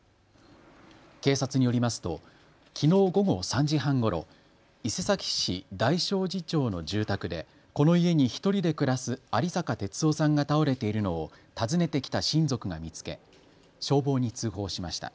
警察によりますときのう午後３時半ごろ、伊勢崎市大正寺町の住宅でこの家に１人で暮らす有坂鐵男さんが倒れているのを訪ねてきた親族が見つけ消防に通報しました。